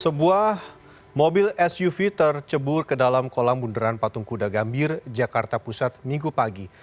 sebuah mobil suv tercebur ke dalam kolam bunderan patung kuda gambir jakarta pusat minggu pagi